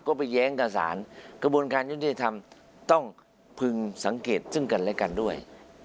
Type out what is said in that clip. ก็ไปแย้งกับสารกระบวนการยุทธิธรรมต้องพึงสังเกตซึ่งกันและกันด้วย